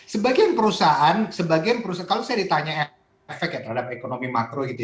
sebagian perusahaan sebagian perusahaan kalau saya ditanya efek ya terhadap ekonomi makro gitu ya